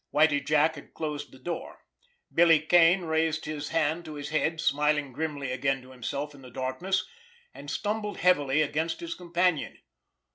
Whitie Jack had closed the door. Billy Kane raised his hand to his head, smiled grimly again to himself in the darkness, and stumbled heavily against his companion.